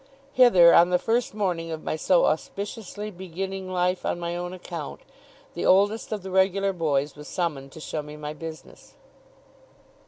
Hither, on the first morning of my so auspiciously beginning life on my own account, the oldest of the regular boys was summoned to show me my business.